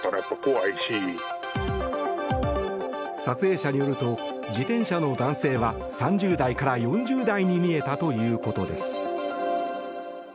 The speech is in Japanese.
撮影者によると自転車の男性は３０代から４０代に見えたということです。